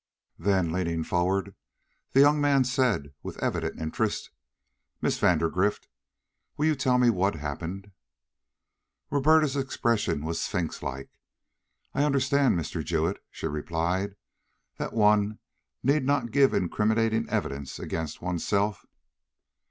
Then, leaning forward, the young man said, with evident interest: "Miss Vandergrift, will you tell me what happened?" Roberta's expression was sphynx like. "I understand, Mr. Jewett," she replied, "that one need not give incriminating evidence against oneself."